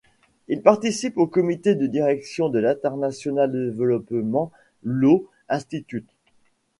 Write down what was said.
Il participe au comité de direction de l'International Developpement Law Institute.